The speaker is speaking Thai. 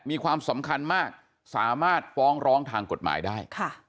มีความสำคัญมากสามารถฟ้องร้องทางกฎหมายได้